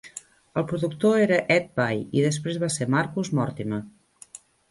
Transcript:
El productor era Ed Bye, i després va ser Marcus Mortimer.